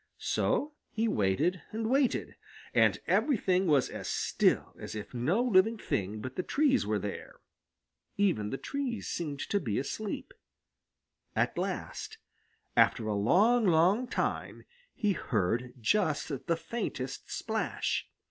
So he waited and waited, and everything was as still as if no living thing but the trees were there. Even the trees seemed to be asleep. At last, after a long, long time, he heard just the faintest splash.